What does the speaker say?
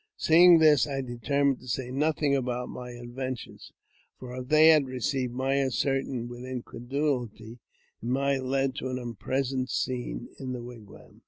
Seeing this, I determined to say nothing about my adventure ; for, if they had received my assertion with incredulity, it might have led to an unpleasant scene in the wigwam.